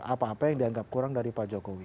apa apa yang dianggap kurang dari pak jokowi